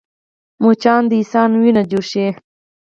مچان د انسان وینه چوشي